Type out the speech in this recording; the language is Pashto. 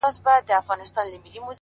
حقیقت د وخت په تېرېدو څرګندېږي